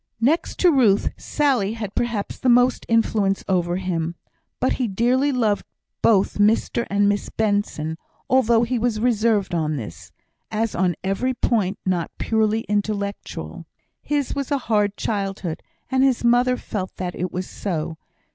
Next to Ruth, Sally had perhaps the most influence over him; but he dearly loved both Mr and Miss Benson; although he was reserved on this, as on every point not purely intellectual. His was a hard childhood, and his mother felt that it was so.